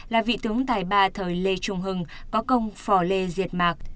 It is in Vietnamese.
là vị tướng tài ba thời lê trung hưng có công phò lê diệt mạc